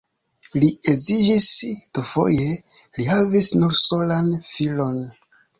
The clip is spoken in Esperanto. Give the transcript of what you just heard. Li edziĝis dufoje, li havis nur solan filon.